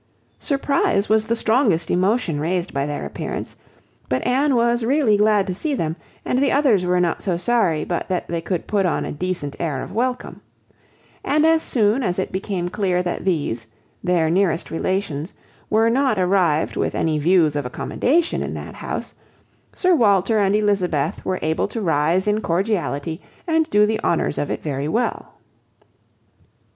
Surprise was the strongest emotion raised by their appearance; but Anne was really glad to see them; and the others were not so sorry but that they could put on a decent air of welcome; and as soon as it became clear that these, their nearest relations, were not arrived with any views of accommodation in that house, Sir Walter and Elizabeth were able to rise in cordiality, and do the honours of it very well.